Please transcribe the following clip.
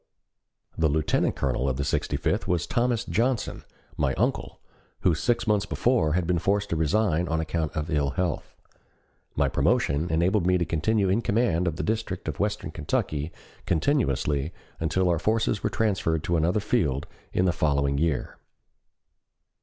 The Lieutenant Colonel of the Sixty fifth was Thomas Johnson, my uncle, who six months before had been forced to resign on account of ill health. My promotion enabled me to continue in command of the district of western Kentucky continuously until our forces were transferred to another field in the following year.